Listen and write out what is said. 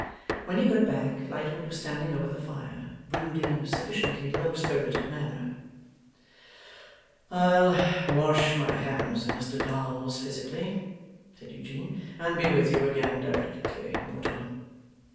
When he got back, Lightwood was standing over the fire, brooding in a sufficiently low spirited manner. 'I'll wash my hands of Mr Dolls physically ' said Eugene, 'and be with you again directly, Mortimer.